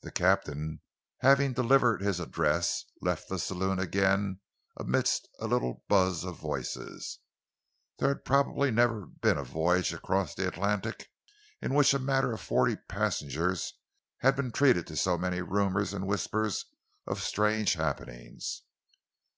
The captain, having delivered his address, left the saloon again amidst a little buzz of voices. There had probably never been a voyage across the Atlantic in which a matter of forty passengers had been treated to so many rumours and whispers of strange happenings.